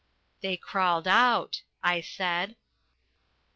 "They crawled out," I said.